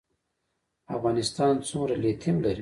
افغانستان څومره لیتیم لري؟